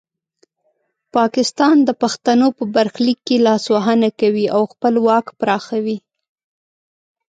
پاکستان د پښتنو په برخلیک کې لاسوهنه کوي او خپل واک پراخوي.